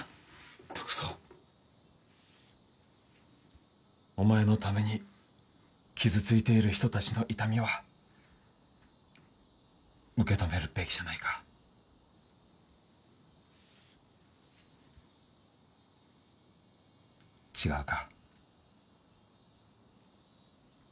篤蔵お前のために傷ついている人達の痛みは受け止めるべきじゃないか違うか？